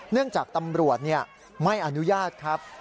เนื่องจากตำรวจไม่อนุญาตครับ